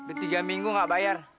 udah tiga minggu gak bayar